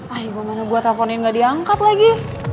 aibu mana gue teleponin gak diangkat lagi